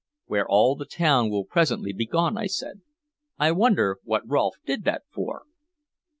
"Where all the town will presently be gone," I said. "I wonder what Rolfe did that for!"